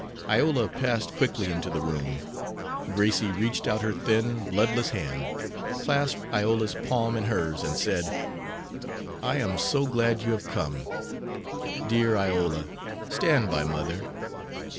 Iola passed quickly into the room. Gracie reached out her thin, bloodless hand, clasped Iola's palm in hers, and said: "I am so glad you have come. Dear Iola, stand by mother.